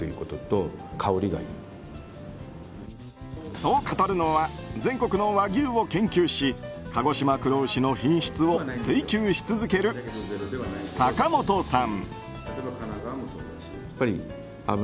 そう語るのは全国の和牛を研究し鹿児島黒牛の品質を追求し続ける坂元さん。